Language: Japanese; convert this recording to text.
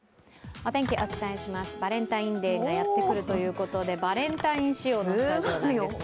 お伝えします、バレンタインデーがやってくるということでバレンタイン仕様のスタジオなんですね。